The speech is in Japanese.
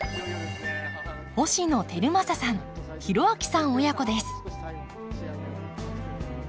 星野晃正さん浩章さん親子です。